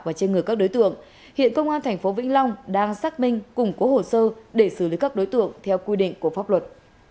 và trên người các đối tượng hiện công an tp vĩnh long đang xác minh củng cố hồ sơ để xử lý các đối tượng theo quy định của pháp luật